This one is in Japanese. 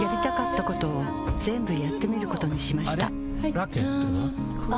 ラケットは？